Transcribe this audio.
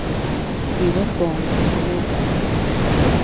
He was born in Jamaica.